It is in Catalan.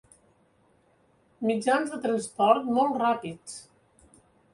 Mitjans de transport molt ràpids.